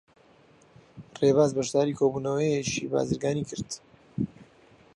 ڕێباز بەشداریی کۆبوونەوەیەکی بازرگانیی کرد.